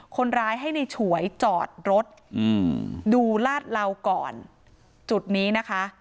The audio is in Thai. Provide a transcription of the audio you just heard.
คนร้ายให้ในฉวยจอดรถดูลาดเหลาก่อนจุดนี้นะคะ